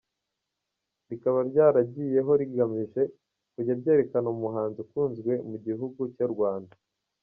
Rikaba ryaragiyeho rigamije kujya ryerekana umuhanzi ukunzwe mu gihugu cy’u Rwanda.